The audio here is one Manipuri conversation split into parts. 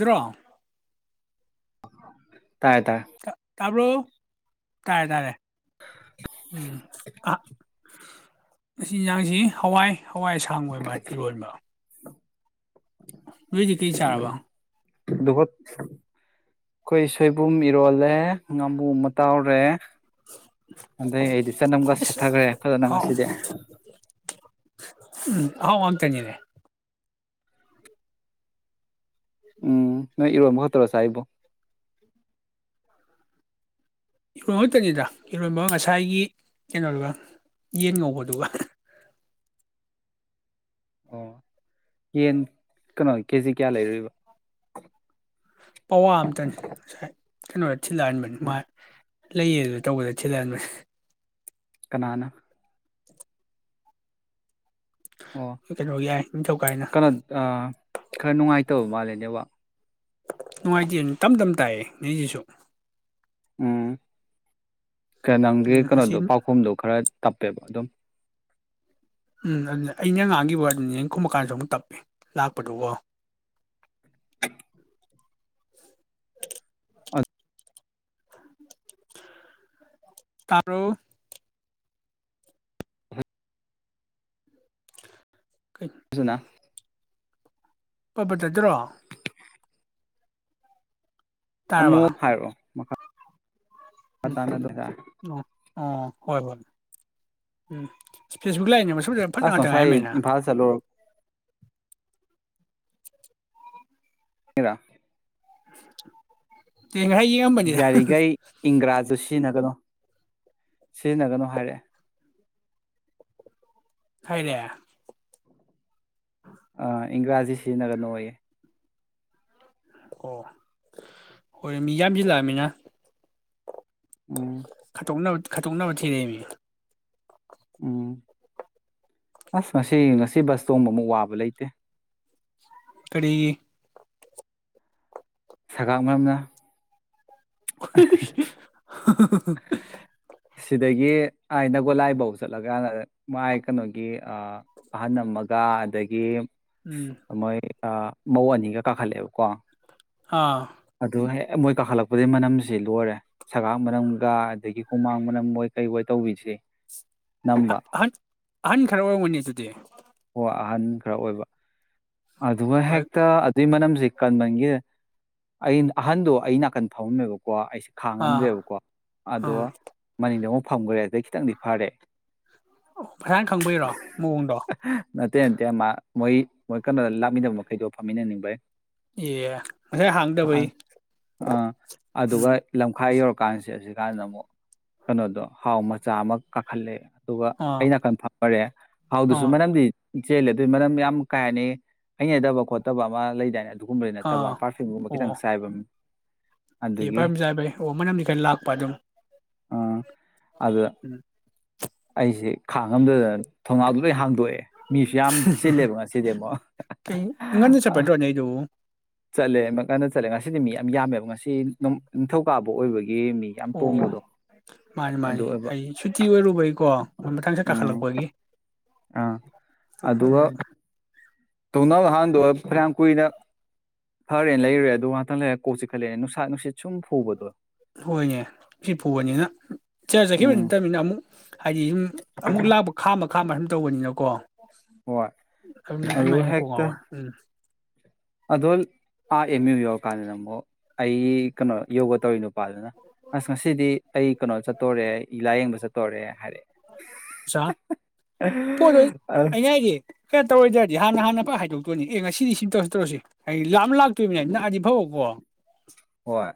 [unintelligible] ꯔꯣ ꯑ [inaudible] ꯇꯥꯏꯌꯦ ꯇꯥꯏ ꯇꯥꯕ꯭ꯔꯣ ꯇꯥꯔꯦ ꯇꯥꯔꯦ ꯎꯝ ꯑ ꯑꯁꯤ ꯑꯦꯟꯁꯥꯡꯁꯤ ꯍꯋꯥꯏ ꯍꯋꯥꯏ ꯁꯥꯡ ꯑꯣꯏ ꯃꯥ ꯏꯤꯔꯣꯕ ꯅꯣꯏꯗꯤ ꯀꯩ ꯆꯔꯕ ꯎꯝ ꯑꯗꯨꯒ ꯑꯩꯈꯣꯏ ꯁꯣꯏꯕꯨꯝ ꯏꯔꯣꯜꯂꯦ ꯉꯥꯕꯨ ꯑꯃ ꯇꯥꯎꯔꯦ ꯑꯗꯩ ꯑꯩꯗꯤ ꯆꯠꯅꯝꯒ ꯑꯁ ꯁꯦꯠꯊꯈ꯭ꯔꯦ ꯐꯖꯅ ꯉꯁꯤꯗꯤ ꯎꯝ [unintelligible] ꯎꯝ ꯅꯣꯏ ꯏꯔꯣꯃꯕ ꯇꯧꯔ ꯆꯥꯔꯤꯕꯣ ꯏꯔꯣꯟ ꯈꯛꯇꯅꯤꯗ ꯏꯔꯣꯟꯕ ꯉꯁꯥꯏꯒꯤ ꯀꯩꯅꯣꯗꯨꯒ ꯌꯦꯟ ꯉꯧꯕꯗꯨꯒ ꯑꯣ ꯌꯦꯟ ꯀꯩꯅꯣ ꯀꯦꯖꯤ ꯀꯌꯥ ꯂꯩꯔꯣꯏꯕ ꯄꯋꯥ ꯑꯝꯇꯅꯤ ꯉꯁꯥꯏ ꯀꯩꯅꯣ ꯊꯤꯟꯍꯜꯂꯛ ꯑꯃꯕꯅꯦ ꯃꯥ ꯎꯝ ꯂꯩꯌꯦ ꯑꯗꯨꯅ ꯇꯧꯕꯗ ꯊꯤꯜꯂꯛꯑꯂꯅꯦ ꯀꯅꯥꯅ ꯑꯣ ꯀꯩꯅꯣꯒꯤ ꯌꯥꯏ ꯅꯤꯡꯊꯧꯀꯥꯏꯅ ꯀꯔ ꯈꯔ ꯅꯨꯡꯉꯥꯏ ꯇꯧ ꯃꯥꯂꯅꯦ ꯅꯨꯡꯉꯥꯏꯇꯦ ꯑꯗꯨ ꯇꯝ ꯇꯝ ꯇꯥꯏꯌꯦ ꯅꯣꯏꯁꯤꯁꯨ ꯎꯝ ꯀ ꯅꯪꯒꯤ ꯎꯝ ꯉꯁꯤ ꯀꯩꯅꯣꯗꯣ ꯄꯥꯎꯈꯨꯝꯗꯣ ꯈꯔ ꯇꯞꯄꯦꯕ ꯑꯗꯨꯝ ꯎꯝ ꯑꯗꯨ ꯑꯩꯅ ꯉꯥꯡꯈꯤꯕ ꯀꯨꯝꯃ ꯀꯥꯟꯗꯁꯨ ꯑꯃꯨꯛ ꯇꯞꯄꯤ ꯂꯥꯛꯄꯗꯨꯀꯣ ꯇꯕꯔꯣ ꯑꯗꯨꯁꯨꯅ ꯄꯇ ꯄꯇ ꯇꯥꯠꯇ꯭ꯔꯣ ꯇꯥꯔꯕ ꯑꯃꯨꯛ ꯍꯥꯏꯔꯛꯑꯣ ꯃꯈꯥ ꯎꯝ ꯄꯇꯥ [unintelligible] ꯑꯣ ꯑꯣ ꯍꯣꯏ ꯍꯣꯏ ꯎꯝ ꯐꯦꯁꯕꯨꯛ ꯂꯥꯛꯅꯦꯕ ꯑꯁ ꯉꯥꯁꯥꯏ ꯏꯝꯐꯜ ꯆꯠꯂꯨꯔꯥ [unintelligible] [unintelligible] [inaudible] ꯌꯦꯡꯉꯝꯕꯅꯤꯗ ꯌꯥꯔꯤꯈꯩ ꯏꯪꯒ꯭ꯔꯥꯖꯤꯇꯨ ꯁꯤꯖꯤꯟꯅꯒꯅꯣ ꯁꯤꯖꯤꯟꯅꯒꯅꯨ ꯍꯥꯏꯔꯛꯑꯦ ꯍꯥꯏꯔꯛꯑ ꯑꯥ ꯏꯪꯒꯔꯥꯖꯤ ꯁꯤꯖꯤꯟꯅꯒꯅꯨꯌꯦ ꯑꯣ ꯍꯣꯏ ꯃꯤ ꯌꯥꯝꯁꯤꯜꯂꯛꯑꯝꯃꯤꯅ ꯎꯝ ꯈꯇꯣꯡꯅ ꯍꯧꯇ ꯈꯠꯇꯣꯛꯅꯕ ꯊꯤꯔꯛꯏꯅꯤ ꯎꯝ ꯑꯁ ꯉꯁꯤ ꯉꯁꯤ ꯕꯁ ꯇꯣꯡꯕꯃꯨꯛ ꯋꯥꯕ ꯂꯩꯇꯦ ꯀꯔꯤꯒꯤ ꯁꯒꯥꯝ ꯃꯔꯔꯝꯅ [unintelligible] [inaudible] ꯍꯥꯍꯥꯍꯥ ꯁꯤꯗꯒꯤ ꯑꯥꯏ ꯅꯒꯣꯂꯥꯏꯐꯧ ꯆꯠꯂꯒꯥ ꯃꯥꯏ ꯀꯩꯅꯣꯒꯤ ꯑꯍꯟ ꯑꯃꯒ ꯑꯗꯒꯤ ꯎꯝ ꯃꯣꯏ ꯑ ꯃꯧ ꯑꯅꯤꯒ ꯀꯥꯈꯠꯂꯛꯑꯦꯕꯀꯣ ꯑꯥ ꯑꯦ ꯃꯣꯏ ꯀꯥꯈꯠꯂꯛꯄꯗꯒꯤ ꯃꯅꯝꯁꯤ ꯂꯣꯏꯔꯦ ꯁꯦꯒꯥꯛ ꯃꯅꯝ ꯒꯥ ꯑꯗꯒꯤ ꯍꯨꯃꯥꯡ ꯃꯅꯝ ꯑꯣꯏ ꯀꯩ ꯍꯣꯏ ꯇꯧꯕꯤꯁꯦ ꯅꯝꯕ ꯑꯍꯟ ꯑꯍꯟ ꯈꯔ ꯑꯣꯏꯔꯝꯒꯅꯦ ꯑꯗꯨꯗꯤ ꯍꯣꯏ ꯑꯍꯟ ꯈꯔ ꯑꯣꯏꯕ ꯍꯣꯏ [inaudible] ꯀꯟꯃꯟꯒꯤꯗꯅ ꯑ ꯑꯍꯟꯗꯣ ꯑꯩ ꯅꯥꯀꯟ ꯐꯝꯃꯦꯕꯀꯣ ꯑꯩꯁꯦ ꯑꯥ ꯈꯥꯡꯉꯝꯗꯦꯕꯀꯣ ꯑꯗꯣ ꯑꯥ ꯃꯅꯤꯡꯗ ꯑꯃꯨꯛ ꯐꯝ ꯃꯨꯔꯦ ꯑꯗꯩ [inaudible] ꯐꯁꯥꯏꯅ ꯈꯪꯕꯩꯔꯣ ꯃꯑꯣꯡꯗꯣ ꯅꯠꯇꯦ ꯅꯠꯇꯦ ꯃꯥ ꯃꯣꯏ ꯃꯣꯏ ꯀꯩꯅꯣꯗ ꯂꯥꯛꯃꯤꯟꯅꯕ ꯃꯈꯩꯗꯣ ꯐꯝꯃꯤꯟꯅꯅꯤꯡꯕꯩ ꯑꯦ ꯉꯁꯥꯏ ꯍꯥꯡꯗꯕꯩ ꯑꯥ ꯑꯗꯨꯒ ꯎꯝ ꯂꯝꯈꯥꯏ ꯌꯧꯔꯛꯄ ꯀꯥꯟꯁꯤ ꯍꯧꯖꯤꯛ ꯀꯥꯟꯗ ꯑꯃꯨꯛ ꯀꯩꯅꯣꯗꯣ ꯍꯥꯎ ꯃꯆꯥ ꯑꯃ ꯀꯥꯈꯠꯂꯦ ꯑꯗꯨꯒ ꯑꯥ ꯑꯩ ꯅꯥꯀꯟ ꯐꯃꯔꯦ ꯍꯥꯎꯗꯨꯁꯨ ꯑꯥ ꯃꯔꯅꯝꯗꯤ ꯆꯦꯜꯂꯦ ꯑꯗꯨꯏ ꯃꯅꯝ ꯌꯥꯝ ꯀꯩꯍꯥꯏꯅꯤ ꯍꯩꯅꯗꯕ ꯈꯣꯠꯇꯕ ꯑꯃ ꯂꯩꯗꯥꯏꯅꯦ ꯑꯗꯨꯒꯨꯝꯕꯩ ꯅꯠꯇꯕ ꯑꯥ ꯄꯔꯐ꯭ꯌꯨꯝꯒꯨꯝꯕ ꯑꯣ ꯈꯤꯇꯪ ꯆꯥꯏꯕ ꯑꯦ ꯑꯗꯨꯒꯤ ꯄꯔꯐ꯭ꯌꯨꯝꯆꯥꯏꯕꯩ ꯑꯣ ꯃꯅꯝꯗꯤ ꯈꯔ ꯂꯥꯛꯄ ꯑꯗꯨꯝ ꯎꯝ [unintelligible] ꯎꯝ ꯑꯩꯁꯦ ꯈꯥꯡꯉꯝꯗꯗꯅ ꯊꯣꯡꯅꯥꯎꯗꯣ ꯂꯣꯏ ꯍꯥꯡꯗꯣꯛꯑꯦ ꯃꯤꯁꯨ ꯌꯥꯝ ꯆꯤꯜꯂꯦꯕ ꯉꯁꯤꯗꯤ ꯑꯃꯨꯛ ꯀꯩ ꯉꯟꯅ ꯆꯠꯄ ꯅꯠꯇ꯭ꯔꯣ ꯅꯪꯒꯤꯗꯨꯕꯨ ꯆꯠꯂꯦ ꯑꯃꯨꯛ ꯉꯟꯅ ꯆꯠꯂꯦ ꯉꯁꯤꯗꯤ ꯃꯤ ꯌꯥꯝ ꯌꯥꯝꯃꯦꯕ ꯉꯁꯤ [unintelligible] ꯅꯤꯡꯊꯧꯀꯥꯕ ꯑꯣꯏꯕꯒꯤ ꯃꯤ ꯌꯥꯝ ꯑꯣ ꯇꯣꯡꯕꯗꯣ ꯃꯥꯅꯤ ꯑꯗꯨ ꯃꯥꯅꯤ ꯑꯣꯏꯕ ꯑꯩ ꯁꯨꯇꯤ ꯑꯣꯏꯔꯨꯕꯒꯤꯀꯣ ꯃꯊꯪꯁꯠ ꯎꯝ ꯀꯥꯈꯠꯂꯛꯄꯒꯤ ꯑꯥ [unintelligible] ꯊꯣꯡꯅꯧ ꯍꯥꯟꯗꯣꯑ ꯐꯅꯌꯥꯝ ꯀꯨꯏꯅ ꯐꯔꯦꯅ ꯂꯩꯔꯨꯔꯦ ꯑꯗꯨ ꯉꯥꯛꯇꯪ ꯂꯩꯔ ꯀꯣꯛꯆꯤꯛꯈꯠꯂꯛꯑꯦ ꯅꯨꯡꯁꯥ ꯅꯨꯡꯁꯤꯠ ꯁꯨꯝ ꯐꯨꯕꯗꯣ ꯍꯣꯏꯅꯦ ꯁꯤ ꯐꯨꯕꯅꯤꯅ [unintelligible] ꯆꯈꯤꯕ ꯎꯝ ꯅꯠꯇꯕꯅꯤꯅ ꯑꯃꯨꯛ ꯍꯥꯏꯗꯤ ꯑꯃꯨꯛ ꯂꯥꯛꯄ ꯈꯥꯝꯃ [unintelligible] ꯑꯗꯨꯝ ꯇꯧꯕꯅꯤꯅꯀꯣ ꯍꯣꯏ ꯑꯗꯨꯅ ꯑꯗꯨꯒ [unintelligible] ꯀꯣꯛ ꯍꯦꯛꯇ ꯉꯥꯎꯋꯦ ꯎꯝ ꯑꯗꯣ ꯑꯥ ꯑꯦꯝ ꯌꯨ ꯌꯧꯔꯀꯥꯟꯗꯅ ꯑꯃꯨꯛ ꯑꯩ ꯀꯩꯅꯣ ꯌꯣꯒ ꯇꯧꯔꯤ ꯅꯨꯄꯥꯗꯨꯅ ꯑꯁ ꯉꯁꯤꯗꯤ ꯑꯩ ꯀꯩꯅꯣ ꯆꯠ ꯇꯣꯔꯦ ꯂꯥꯏꯌꯦꯡꯕ ꯆꯠꯇꯣꯔꯦ ꯍꯥꯏꯔꯛꯑꯦ ꯑꯆꯥ ꯄꯣꯠꯇꯣ ꯑꯩꯅ ꯍꯥꯏꯗꯤ ꯀꯩꯅꯣ ꯇꯧꯔꯣꯏꯗꯔꯗꯤ ꯍꯥꯟꯅ ꯍꯥꯟꯅ ꯍꯥꯏꯗꯣꯛꯇꯣꯅꯤ ꯑꯦ ꯉꯁꯤꯗꯤ ꯁꯤꯝ ꯇꯧꯔꯁꯤ ꯇꯧꯔꯁꯤ ꯍꯥꯏ ꯂꯥꯛꯞ ꯂꯥꯛꯇꯣꯏꯔꯤꯕꯅꯤ ꯅꯛꯑꯗꯤ ꯐꯕꯀꯣ ꯍꯣꯏ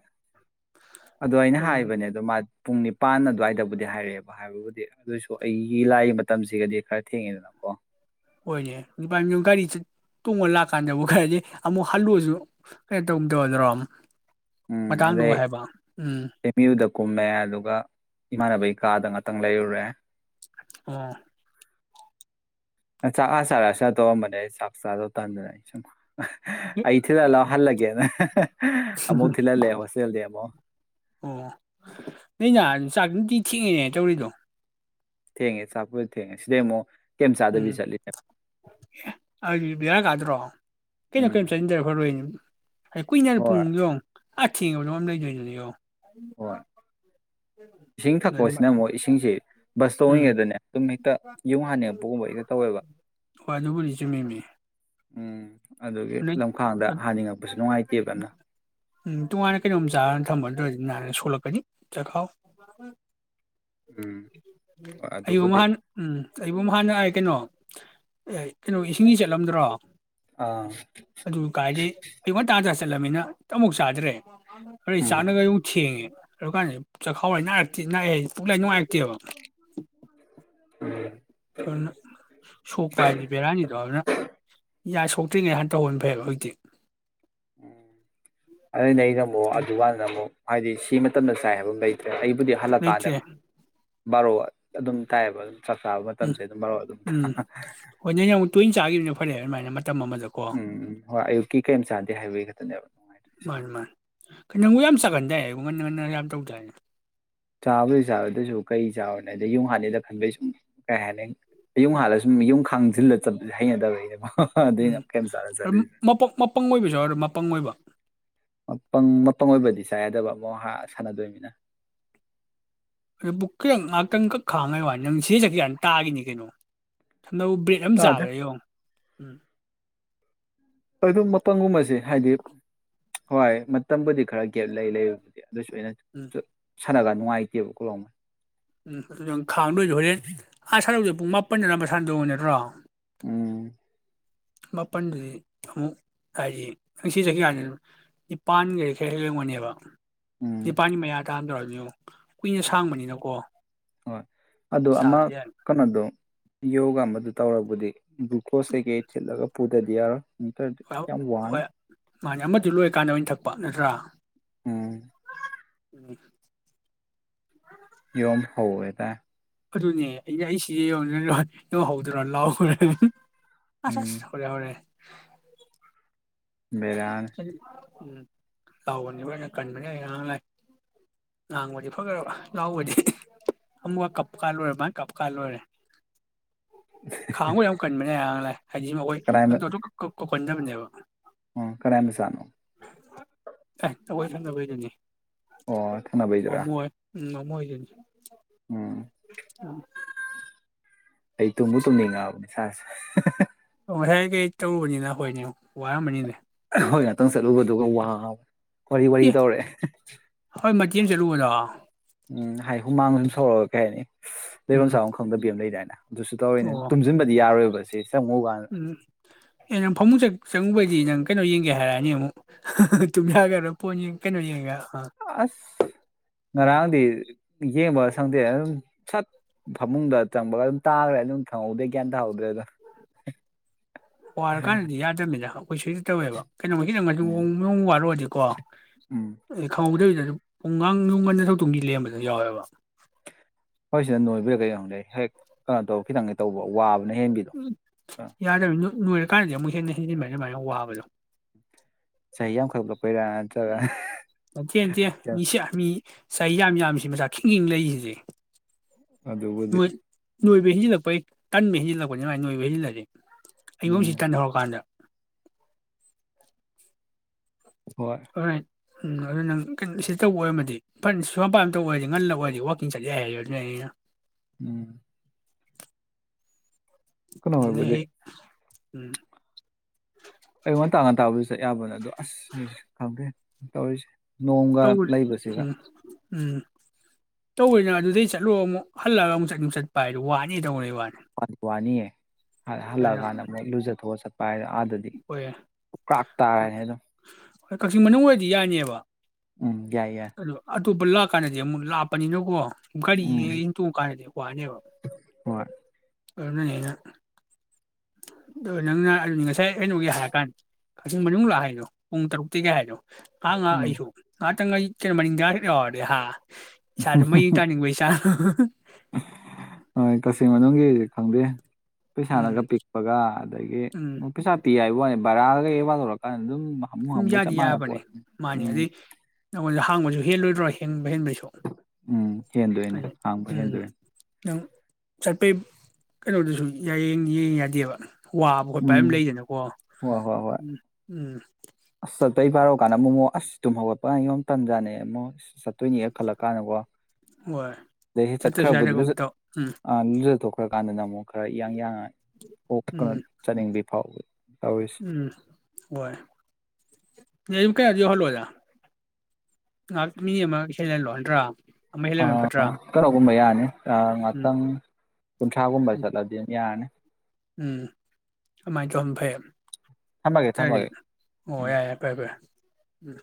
ꯑꯗꯣ ꯑꯩꯅ ꯎꯝ ꯍꯥꯏꯕꯅꯦ ꯑꯗꯣ ꯃꯥ ꯄꯨꯡ ꯅꯤꯄꯥꯟ ꯑꯗꯨꯋꯥꯏꯗꯕꯨꯗꯤ ꯍꯥꯏꯔꯛꯑꯦꯕ ꯍꯥꯏꯕꯕꯨꯗꯤ ꯑꯗꯨꯑꯣꯏꯁꯨ ꯑꯩꯒꯤ ꯂꯥꯏꯒꯤ ꯃꯇꯝꯁꯤꯒꯗꯤ ꯈꯔ ꯊꯦꯡꯉꯦꯗꯅꯀꯣ ꯍꯣꯏꯅꯦ [unintelligible] ꯒꯥꯔꯤ ꯇꯣꯡꯉ ꯂꯥꯛꯀꯥꯟꯗꯕꯨ [unintelligible] ꯑꯃꯨꯛ ꯍꯜꯂꯨꯁꯨ ꯀꯩꯅꯣ ꯇꯧꯒꯨꯝ ꯇꯧꯔꯗꯔꯣ ꯎꯝ ꯑꯗꯩ ꯑꯦꯝ ꯌꯨꯗ ꯀꯨꯝꯃꯦ ꯑꯗꯨꯒ ꯏꯃꯥꯟꯅꯕꯩ ꯀꯥꯗ [unintelligible] ꯇꯪ ꯂꯩꯔꯨꯔꯦ ꯑꯣ [unintelligible] [unintelligible] ꯑꯩ [unintelligible] [unintelligible] ꯍꯜꯂꯒꯦ [unintelligible] ꯑꯃꯣꯛ ꯊꯤꯈꯜꯂꯦ ꯍꯣꯁꯇꯦꯜꯗꯩꯩ ꯑꯃꯣꯛ ꯑꯣ ꯅꯣꯏ ꯅꯥ ꯎꯝ ꯆꯥꯛ ꯅꯨꯡꯇꯤ ꯊꯤꯉꯤꯅꯦ ꯇꯧꯔꯤꯗꯨ ꯊꯦꯡꯉꯦ ꯆꯥꯀꯄꯨꯗꯤ ꯊꯦꯡꯉꯦ ꯁꯤꯗꯩꯩ ꯑꯃꯨꯛ ꯀꯩꯝ ꯎꯝ ꯆꯥꯗꯕꯤ ꯆꯠꯂꯤꯅꯦ ꯑꯦ ꯑꯗꯨ ꯕꯦꯔꯥ ꯀꯥꯗ꯭ꯔꯣ ꯀꯩꯅꯣ ꯎꯝ ꯀꯩꯅꯣ [unintelligible] ꯐꯔꯣꯏꯅꯤ [unintelligible] ꯀꯨꯏꯅ ꯍꯣꯏ ꯄꯨꯡ ꯌꯣ [unintelligible] [unintelligible] ꯂꯩꯗꯣꯏꯗꯅꯤꯅꯦ ꯌꯣ ꯍꯣꯏ [unintelligible] ꯏꯁꯤꯡ ꯊꯛꯄꯁꯤꯅ ꯑꯃꯨꯛ ꯏꯁꯤꯡꯁꯤ ꯕꯁ ꯎꯝ ꯇꯣꯉꯤꯉꯩꯗꯅꯦ ꯑꯗꯨꯝ ꯍꯦꯛꯇ ꯌꯨꯡ ꯍꯥꯟꯅꯤꯡꯉꯛꯄꯒꯨꯝꯕ ꯍꯦꯛꯇ ꯇꯧꯋꯦꯕ ꯍꯣꯏ ꯑꯗꯨꯕꯨꯗꯤ ꯆꯨꯝꯃꯤꯃꯤ ꯎꯝ ꯑꯗꯨꯒꯤ ꯅꯣꯏ ꯂꯝꯈꯥꯡꯗ ꯍꯥꯅꯤꯡꯉꯛꯄꯁꯨ ꯅꯨꯡꯉꯥꯏꯇꯦꯕ ꯎꯝ ꯇꯣꯉꯥꯟꯅ ꯀꯩꯅꯣꯝ ꯆꯥꯔꯅ ꯊꯝꯃꯨ [unintelligible] [unintelligible] ꯁꯣꯛꯂꯛꯀꯅꯤ ꯆꯈꯥꯎ [unintelligible] ꯎꯝ ꯍꯣꯏ [unintelligible] ꯑꯗꯨꯕꯨꯗꯤ ꯑꯩꯕꯨ ꯍꯥꯟꯅ ꯀꯩꯅꯣ ꯑꯦ ꯀꯩꯅꯣ ꯏꯁꯤꯡꯗꯤ ꯆꯠꯂꯝꯗ꯭ꯔꯣ ꯑꯥ ꯑꯗꯨ ꯀꯥꯏꯗꯩꯩ [unintelligible] [unintelligible] ꯆꯠꯂꯃꯤꯅ ꯑꯃꯨꯛ ꯆꯥꯗ꯭ꯔꯦ ꯎꯝ ꯆꯥꯛꯅꯒ ꯌꯣꯡ ꯊꯦꯡꯉꯦ꯫ ꯑꯗꯨ ꯀꯥꯟ ꯆꯥꯛꯈꯥꯎ [unintelligible] ꯄꯨꯛꯂ ꯅꯨꯡꯉꯥꯏ ꯎꯝ ꯑꯗꯨꯅ ꯁꯣꯛꯄ ꯍꯥꯏꯗꯤ ꯕꯦꯔꯥꯅꯤꯗꯣ ꯑꯗꯨꯅ ꯌꯥꯏ ꯁꯣꯛꯇ꯭ꯔꯤꯅꯦ ꯍꯥꯟ ꯇꯧꯍꯅ ꯐꯩꯕ ꯍꯧꯖꯤꯛꯇꯤ ꯎ ꯑꯗꯨꯅ [unintelligible] ꯑꯗꯨꯀꯥꯟꯗ ꯑꯃꯨꯛ ꯍꯥꯏꯗꯤ ꯁꯤ ꯃꯇꯝꯗ ꯆꯥꯏ ꯍꯥꯏꯕ ꯑꯃ ꯂꯩꯇꯔꯣ ꯑꯩꯕꯨꯗꯤ ꯍꯜꯂꯛꯀꯥꯟꯗ ꯂꯩꯇ꯭ꯔꯦ ꯕꯥꯔꯣ ꯑꯗꯨꯝ ꯇꯥꯏꯌꯦꯕ ꯑꯗꯨꯝ ꯆꯥꯛ ꯆꯥꯕ ꯎꯝ ꯃꯇꯝꯁꯦ ꯑꯗꯨꯝ ꯃꯔꯨꯞ ꯑꯗꯨꯝ ꯎꯝ ꯍꯣꯏ ꯅꯪ ꯌꯥꯝ ꯇꯣꯏꯅ ꯆꯥꯈꯤꯕꯗꯨꯅ ꯐꯔꯦ ꯑꯗꯨꯃꯥꯏꯅ ꯃꯇꯝ ꯑꯃꯗꯀꯣ ꯎꯝ ꯍꯣꯏ ꯑꯌꯨꯛꯀꯤ ꯀꯔꯤꯝ ꯆꯥꯗꯦ ꯍꯥꯏꯕꯒꯤ ꯈꯛꯇꯅꯦꯕ ꯅꯨꯡꯉꯥꯏꯇ꯭ꯔꯤꯁꯦ ꯃꯥꯅꯤ ꯃꯥꯅꯤ ꯅꯪꯕꯨ ꯌꯥꯝ ꯁꯥꯥꯒꯟꯗꯥꯏ ꯉꯟꯅ ꯉꯟꯅ ꯌꯥꯝ ꯇꯧ ꯗꯥꯏꯅꯦ ꯆꯥꯕꯨꯗꯤ ꯆꯥꯕꯥ ꯑꯗꯣꯏꯁꯨ ꯀꯩ ꯆꯥꯔꯅꯦ ꯑꯗ ꯌꯨꯝ ꯍꯥꯟꯅꯤꯗ ꯈꯟꯕꯩ ꯁꯨꯝ ꯀꯩ ꯍꯥꯏꯅꯤ [unintelligible] ꯈꯥꯡꯖꯤꯜꯂ ꯆꯠ ꯍꯩꯅꯗꯕꯩꯅꯦꯕ ꯑꯗꯨꯏꯅꯦ ꯀꯩꯝ ꯆꯥꯗ ꯎꯝ ꯆꯠꯂꯤꯁꯦ ꯃꯄꯪ ꯑꯣꯏꯕꯁꯨ ꯌꯥꯎꯗ ꯃꯄꯪ ꯑꯣꯏꯕ ꯃꯄꯪ ꯃꯄꯪ ꯑꯣꯏꯕꯗꯤ ꯆꯥꯏ ꯌꯥꯗꯕ [unintelligible] ꯁꯥꯟꯅꯗꯣꯏꯅꯤꯅ ꯑꯗꯨꯕꯨꯛ ꯈꯤꯇꯪ ꯉꯥꯏꯍꯥꯛꯇꯪꯈꯛ ꯈꯥꯡꯉꯩ ꯋꯥꯅꯤ ꯅꯪ ꯁꯤꯗꯩꯩ ꯆꯇꯀꯥꯟꯗ ꯇꯥꯒꯤꯅꯤ ꯀꯩꯅꯣ ꯍꯟꯕꯨꯛ ꯕ꯭ꯔꯦꯗ ꯑꯃ ꯇꯥꯗꯦ ꯆꯥꯕꯗꯥ ꯌꯦꯡꯉꯣ ꯎꯝ ꯑꯗꯨ ꯃꯄꯪꯒꯨꯝꯕꯁꯤ ꯍꯥꯏꯗꯤ ꯍꯣꯏ ꯃꯇꯝꯕꯨꯗꯤ ꯈꯔ ꯒꯦꯞ ꯂꯩ ꯂꯩꯕꯕꯨꯗꯤ ꯑꯗꯨꯁꯨꯅ ꯎꯝ ꯁꯥꯟꯅꯒꯥꯟ ꯅꯨꯡꯉꯥꯏꯇꯦꯕ ꯀꯣꯛ ꯂꯥꯎꯃꯩ ꯎꯝ ꯑꯗꯨ ꯈꯥꯡꯗꯣꯏꯁꯨ ꯍꯣꯔꯦꯟ ꯑꯥ ꯁꯥꯟꯅꯧꯁꯦ ꯄꯨꯡ ꯃꯥꯄꯟꯗꯅ ꯃꯁꯥꯟꯗꯧ ꯅꯠꯇ꯭ꯔꯣ ꯎꯝ ꯃꯥꯄꯜꯗꯨꯗꯤ ꯑꯃꯨꯛ ꯍꯥꯏꯗꯤ ꯉꯁꯤ ꯆꯠꯀꯥꯟꯁꯤ ꯅꯤꯄꯥꯟꯒꯔ ꯈꯔ ꯍꯦꯛꯔꯒꯅꯦꯕ ꯎꯝ ꯗꯤꯄꯥꯅꯤ ꯃꯌꯥꯥꯔꯥꯗꯣ ꯃꯤꯑꯣ ꯍꯣꯏ ꯑꯗꯣ ꯑꯃ ꯆꯥꯕꯗꯤ ꯌꯥꯅꯤ ꯀꯩꯅꯣꯗꯣ ꯌꯣꯒ ꯃꯗꯨ ꯇꯧꯔꯕꯨꯗꯤ ꯗꯨꯈꯣꯁꯀꯩꯀꯩ ꯊꯤꯠꯂꯒ ꯄꯨ [unintelligible] [unintelligible] ꯌꯥꯝ ꯋꯥꯅꯦ ꯍꯣꯏ ꯃꯥꯅꯦ ꯑꯃꯗꯨ ꯂꯣꯏꯔꯀꯥꯟꯗ ꯑꯣꯏꯅ ꯊꯛꯄ ꯅꯠꯇ꯭ꯔꯥ ꯎꯝ ꯎꯝ ꯌꯨꯝ ꯍ ꯌꯥꯇꯥ ꯑꯗꯨꯅꯦ ꯑꯩꯅ ꯑꯩ ꯁꯤꯗ ꯌꯧꯗꯔꯣ ꯌꯧꯍꯧꯗ꯭ꯔꯣ ꯂꯥꯎꯈ꯭ꯔꯦ ꯑꯁ ꯎꯝ -ꯑꯁ ꯍꯧꯔꯦ- ꯍꯧꯔꯦ ꯕꯦꯔꯥꯅꯦ ꯎꯝ ꯂꯥꯎꯕꯅꯤ ꯂꯣꯏꯅ ꯀꯟꯕꯅꯤ ꯑꯩ ꯉꯥꯡ ꯂꯥꯏ ꯉꯥꯡꯕꯗꯤ ꯐꯈ꯭ꯔꯕ ꯂꯥꯎꯕꯗꯤ ꯑꯃꯨꯛꯀ ꯀꯞꯀꯥꯟ ꯂꯣꯏꯨꯔꯦ- ꯃꯥꯥꯏ ꯀꯞꯀꯥꯟ ꯂꯣꯏꯔꯦ ꯈꯥꯡꯕ ꯌꯥꯝ ꯀꯟꯕꯅꯤ ꯑꯌꯥꯡ ꯍꯩꯖꯤ ꯃꯈꯣꯏ ꯑꯗꯇ꯭ꯔꯇꯨꯛ ꯀꯨꯛ ꯀꯣꯀꯟꯗꯝꯅꯦꯕ ꯎꯝ ꯀꯅꯥꯏ ꯃꯆꯥꯅꯣ ꯑꯦ ꯑꯈꫭꯏ ꯊꯪꯅꯕꯩꯗꯨꯅꯤ ꯑꯣ ꯊꯡꯅꯕꯩꯗꯨꯔꯥ ꯎꯝ ꯃꯣꯏꯃꯣꯏ ꯗꯨꯅꯤ ꯎꯝ ꯑꯩ ꯇꯨꯝꯕꯨ ꯇꯨꯝꯅꯤꯡꯉꯛꯑꯕꯅꯦ ꯑ [unintelligible] ꯑꯣ ꯉꯁꯥꯏ ꯀꯩ ꯇꯧꯔꯨꯕꯅꯤꯅ ꯍꯣꯏꯗꯤꯉꯣ ꯋꯥꯔꯝꯃꯅꯤꯅꯦ ꯍꯣꯏ ꯉꯥꯛꯇꯪ ꯆꯠꯂꯨꯕꯗꯨꯒ ꯋꯥꯕ ꯋꯥꯔꯤ ꯋꯥꯔꯤ ꯑꯦ ꯇꯧꯔꯦ ꯍꯣꯏ ꯃꯥꯏꯀꯦꯟ ꯆꯠꯂꯨꯕꯗꯣ ꯎꯝ ꯍꯥꯏ ꯍꯨꯃꯥꯡ ꯑꯗꯨꯝ ꯁꯧꯔꯒ ꯀꯩ ꯍꯥꯏꯅꯤ ꯂꯩꯐꯝ ꯎꯝ ꯆꯥꯐꯝ ꯈꯪꯗꯕꯤ ꯑꯃ ꯂꯩꯗꯥꯏꯅ ꯑꯗꯨꯁꯨ ꯇꯧꯔꯤꯅꯦ ꯑꯣ ꯇꯨꯝꯁꯤꯟꯕꯗꯤ ꯌꯥꯔꯣꯏꯕ ꯁꯤ ꯆꯪꯉꯨ ꯀꯥꯟꯗ ꯎꯝ ꯑꯦꯅꯦ ꯐꯃꯨꯡꯆꯪ ꯆꯪꯉꯨꯕꯗꯤ ꯅꯪ ꯀꯩꯅꯣ ꯌꯦꯡꯒꯦ ꯍꯥꯏꯔꯛꯑꯅꯤ ꯑꯃꯨꯛ ꯇꯨꯝꯌꯒꯗ꯭ꯔꯕ ꯄꯣꯠ ꯀꯩꯅꯣ ꯌꯦꯡꯒꯦ ꯍꯥꯔ ꯑꯁ ꯉꯔꯥꯡꯗꯤ ꯃꯤꯡꯁꯦꯟ ꯌꯦꯡꯕꯒ ꯁꯪꯗꯦ ꯑꯗꯨꯝ ꯁꯠ ꯐꯃꯨꯡꯗ ꯆꯪꯕꯒ ꯑꯗꯨꯝ ꯇꯥꯈꯒꯔꯦ ꯑꯗꯨꯝ ꯈꯪꯍꯧꯗꯦ ꯒ꯭ꯌꯥꯟ ꯇꯥꯍꯧꯗ꯭ꯔꯦ ꯗꯥ ꯋꯥꯔꯀꯥꯟꯗꯗꯤ ꯌꯥꯗꯕꯅꯤꯗ ꯑꯩꯈꯣꯏꯁꯨ ꯍꯦꯛꯇ ꯇꯧꯋꯦꯕ ꯀꯩꯅꯣꯝ ꯎꯝ ꯅꯨꯡ ꯋꯥꯔꯛꯑꯗꯤꯀꯣ ꯎꯝ ꯑꯩ ꯈꯪꯍꯧꯗꯣꯏꯕꯤꯗ ꯄꯨꯡ ꯑꯥꯡ ꯅꯨꯡ ꯉꯟꯗ ꯁꯛꯇꯣꯡꯁꯤ ꯂꯦꯝꯕꯁꯨ ꯌꯥꯎꯋꯦꯕ ꯍꯣꯏ ꯁꯤꯗ ꯅꯣꯏꯕꯤꯔꯒ ꯌꯥꯝ ꯂꯩ ꯍꯦꯛ ꯀꯩꯅꯣ ꯇꯧꯕ ꯈꯤꯇꯪꯒ ꯍꯦꯛ ꯇꯧꯕ ꯋꯥꯕ ꯎꯝ ꯌꯥꯔꯦ ꯂꯣꯏꯔꯀꯥꯟꯗꯗꯤ ꯑꯃꯨꯛ ꯍꯦꯟꯅ ꯍꯦꯖꯤꯟꯕ ꯁꯨꯃꯥꯏꯅ ꯑꯗꯨꯨꯃꯥꯏꯅ ꯋꯥꯕꯗꯣ ꯆꯍꯤ ꯌꯥꯝ ꯈꯜ-ꯈꯞ ꯃꯇꯦ-ꯇꯦ ꯃꯤꯁꯌꯥ ꯃꯤ ꯆꯍꯤ ꯌꯥꯝ-ꯌꯥꯝꯁꯤ ꯃꯆꯥ ꯈꯤꯡ -ꯈꯤꯡ ꯂꯩꯔꯤꯁꯤꯗꯤ ꯑꯗꯨꯕꯨꯗꯤ ꯅꯣꯏ ꯅꯣꯏꯕ ꯍꯦꯟꯖꯤꯜꯂꯛꯄꯩ ꯇꯟꯕ ꯍꯦꯟꯖꯤꯜꯂꯛꯄꯅꯤ ꯃꯥꯏ ꯅꯣꯏꯕ ꯍꯦꯟꯖꯤꯜꯂꯁꯦ ꯎꯝ ꯑꯩꯉꯨꯝꯁꯤ ꯇꯟ ꯍꯧꯧꯔꯀꯥꯟꯗ ꯍꯣꯏ ꯎꯝ ꯑꯗꯨ ꯅꯪ ꯀꯩꯅꯣ ꯁꯤꯗ ꯇꯧꯕ ꯑꯣꯏꯔꯃꯗꯤ ꯐ ꯁꯨꯝ ꯄꯥꯏꯝꯇꯧꯕ ꯑꯣꯏꯔꯗꯤ ꯉꯜꯂ ꯑꯣꯏꯔꯗꯤ ꯋꯥꯛꯀꯤꯡ ꯆꯠꯂꯦ ꯍꯥꯏꯔꯦ ꯑꯗꯨꯅ ꯑꯩꯅ ꯎꯝ ꯀꯩꯅꯣ ꯅ ꯍꯣꯏꯕꯨꯗꯤ ꯎꯝ ꯑꯌꯨꯛ ꯉꯟꯇꯥ ꯉꯟꯇꯥꯕꯨꯗꯤ ꯆꯠ ꯌꯥꯕꯅꯦ ꯑꯗꯣ ꯑꯁ ꯈꯪꯗꯦ ꯇꯧꯔꯤꯁꯦ ꯅꯣꯡꯒ ꯇꯧ ꯂꯩꯕꯁꯤꯒ ꯇꯧꯔꯤꯅ ꯑꯗꯨꯗ ꯆꯠꯂꯣ ꯑꯃꯨꯛ ꯍꯜꯂꯒ ꯑꯃꯨꯛꯠꯨꯝ ꯆꯠꯄ ꯍꯥꯏꯗ ꯋꯥꯅꯤ ꯇꯧꯅꯩ ꯋꯥꯅꯤ ꯐꯅꯤ ꯑꯗꯨꯅ ꯍꯜꯂꯛꯑꯀꯥꯟꯗ ꯃꯣꯏ ꯂꯨꯖꯊꯣꯛꯑ ꯆꯠꯄ ꯍꯥꯏꯗ ꯑꯥꯗꯗꯤ ꯍꯣꯏ ꯀ꯭ꯔꯥꯛ ꯇꯥꯔꯅꯦ ꯍꯥꯏꯗꯣ ꯍꯣꯏ ꯀꯛꯆꯤꯡ ꯃꯅꯨꯡ ꯑꯣꯏꯔꯗꯤ ꯌꯥꯏꯅꯦꯕ ꯎꯝ ꯌꯥꯏ ꯌꯥꯏ ꯑꯇꯣꯞꯄ ꯂꯥꯛ ꯀꯥꯟꯗꯤ ꯑꯃꯨꯛ ꯂꯥꯛꯄꯅꯤꯅꯀꯣ ꯒꯥꯔꯤ ꯎꯝ ꯏꯟꯇꯣꯛꯑ ꯀꯥꯟꯗꯗꯤ ꯋꯥꯅꯦꯕ ꯍꯣꯏ ꯑꯣꯏꯅꯅ ꯑ ꯅꯪꯅ ꯉꯁꯥꯏ ꯀꯩꯅꯣꯒꯤ ꯍꯥꯏꯔ ꯀꯥꯟꯗ ꯀꯛꯆꯤꯡ ꯃꯅꯨꯡ ꯂꯥꯛ ꯍꯥꯏꯗꯣ ꯄꯨꯡ ꯇꯔꯨꯛꯇꯒꯤ ꯍꯥꯏꯗꯣ ꯑꯉ ꯎꯝ ꯑꯁꯨꯣ ꯈꯤꯇꯪ ꯑꯩ ꯀꯩꯅ ꯃꯅꯤꯡꯗꯁꯤꯔꯔꯦ ꯍꯥ ꯏꯁꯥꯗꯣ ꯃꯌꯡ ꯇꯥꯅꯤꯡꯕ ꯏꯁꯥ ꯍꯝ [inaudible] ꯍꯣꯏ ꯀꯛꯆꯤꯡ ꯃꯅꯨꯡꯒꯤ ꯈꯪꯗꯦ ꯄꯩꯁꯥꯅꯒ ꯎꯝ ꯄꯤꯛꯄꯒ ꯑꯗꯒꯤ ꯎꯝ ꯄꯩꯁꯥ ꯄꯤ ꯍꯥꯏꯕ ꯋꯥꯅꯦ ꯔꯒ ꯀꯌꯦꯕꯔꯀ ꯑꯦ ꯝ ꯌꯥꯗꯤ ꯌꯥꯕꯅꯤ ꯃꯥꯅꯤ ꯑꯗꯨꯗꯩ ꯅꯉꯣꯟꯗ ꯊꯥꯡꯕꯁꯨ ꯍꯦꯜꯂꯣꯏꯗ꯭ꯔꯥ ꯍ ꯎꯝ ꯍꯦꯟꯗꯣꯏꯅꯦ ꯍꯥꯡꯕ ꯎꯝ ꯍꯦꯟꯗꯣꯏꯅꯦ ꯅꯪ ꯆꯠꯄꯩ ꯀꯩꯅꯣꯗꯨꯁꯨ ꯌꯥꯌꯦꯡ ꯌꯦꯡ ꯌꯥꯗꯦꯕ ꯋꯥꯕ ꯈꯣꯠꯄꯝ ꯎꯝ ꯂꯩꯗꯅꯀꯣ ꯍꯣꯏ ꯍꯣꯏ ꯍꯣꯏ ꯎꯝ ꯎꯝ ꯑꯁ [unintelligible] ꯑꯁ ꯇꯨꯝ ꯍꯧꯒꯠꯄ [unintelligible] ꯇꯝꯖꯥꯟꯅꯦ [unintelligible] ꯆꯠꯇꯣꯏꯅꯦ ꯈꯜꯂꯛ ꯀꯥꯟꯗꯀꯣ ꯍꯣꯏ ꯑꯗꯩ ꯆꯠꯇ꯭ꯔꯁꯨ ꯆꯠꯈ꯭ꯔꯕꯨꯗꯤ ꯂꯨ ꯌꯥꯗꯒꯨꯝ ꯇꯧ ꯎꯝ ꯑ ꯂꯨꯖ [unintelligible] ꯀꯥꯟꯗꯅ ꯑꯃꯨꯛ ꯈꯔ ꯏꯌꯥꯡ ꯌꯥꯡ ꯎꯝ [unintelligible] ꯎꯝ ꯍꯣꯏ [unintelligible] ꯀꯌꯥ ꯌꯧꯍꯜꯂꯣꯏꯗ ꯉꯥꯏꯍꯥꯛ ꯃꯤ ꯑꯃ ꯏꯁꯩꯍꯜꯂꯣ ꯅꯠꯇ꯭ꯔꯥ ꯑꯃ ꯍꯦꯜꯂꯦꯟ [unintelligible] ꯐꯠꯇ꯭ꯔꯥ [inaudible] [unintelligible] ꯎꯝ ꯉꯥꯛꯇꯪ ꯀꯨꯟꯊ꯭ꯔꯥꯒꯨꯝꯕ ꯎꯝ ꯆꯠꯂꯗꯤ ꯑꯗꯨꯝ ꯌꯥꯔꯅꯤ ꯎꯝ ꯑꯃꯥꯏ ꯇꯧꯔꯝ ꯐꯩ [unintelligible] ꯊꯝꯃꯒꯦ ꯊꯝꯃꯒꯦ ꯎꯝ ꯑꯣ [unintelligible] ꯐꯔꯦ ꯐꯔꯦ ꯎꯝ